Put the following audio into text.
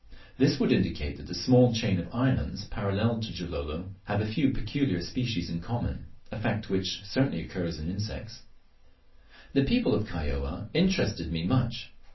This would indicate that the small chain of islands parallel to Gilolo have a few peculiar species in common, a fact which certainly occurs in insects. The people of Kaioa interested me much.